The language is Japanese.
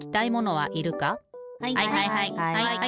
はいはいはい。